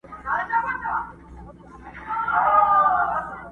o پور پر غاړه، مېږ مرداره!